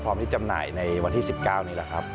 ที่จำหน่ายในวันที่๑๙นี่แหละครับ